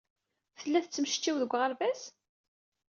Tella tettmecčiw deg uɣerbaz?